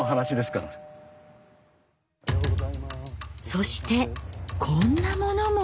そしてこんなものも！